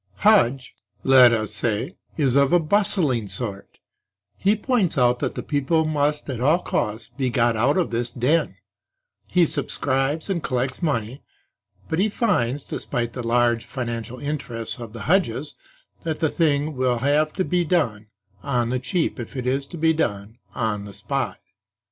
Hudge, let us say, is of a bustling sort; he points out that the people must at all costs be got out of this den; he subscribes and collects money, but he finds (despite the large financial interests of the Hudges) that the thing will have to be done on the cheap if it is to be done on the spot.